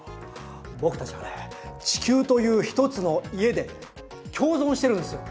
僕たちはね地球というひとつの家で共存してるんですよ。